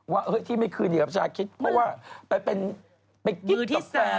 ว่าที่ไม่คืนดีกับชาคิตเพราะว่าเป็นกิ๊กตัวแฟน